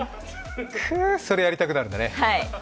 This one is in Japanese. くー、それやりたくなるんだね。